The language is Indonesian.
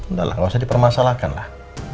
nggak lah nggak usah dipermasalahkan lah